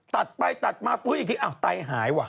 ตัดไปตัดมาฟื้นอีกทีอ้าวไตหายว่ะ